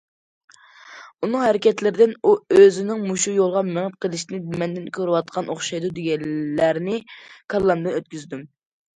ئۇنىڭ ھەرىكەتلىرىدىن ئۇ ئۆزىنىڭ مۇشۇ يولغا مېڭىپ قېلىشىنى مەندىن كۆرۈۋاتقان ئوخشايدۇ دېگەنلەرنى كاللامدىن ئۆتكۈزدۈم.